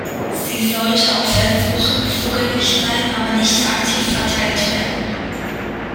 Sie sollte auf Ersuchen zugänglich sein, aber nicht aktiv verteilt werden.